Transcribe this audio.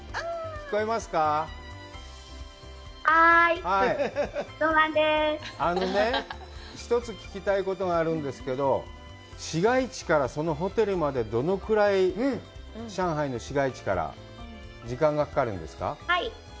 あのね、１つ聞きたい事があるんですけど市街地からそのホテルまでどのくらい上海の市街地から時間がかかるんですか？